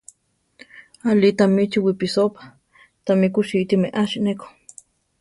Aʼlí tami chi wipisópa; tami kusíti meási neko.